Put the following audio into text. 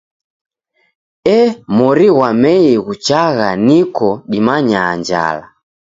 Ee mori ghwa Mei ghuchagha niko dimanyaa njala!